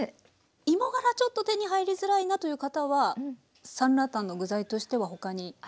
芋がらちょっと手に入りづらいなという方はサンラータンの具材としては他に？